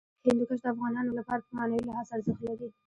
هندوکش د افغانانو لپاره په معنوي لحاظ ارزښت لري.